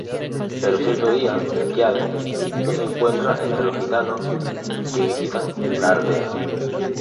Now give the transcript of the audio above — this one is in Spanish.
Pero cierto día, Melquíades no se encuentra entre los gitanos que visitan la aldea.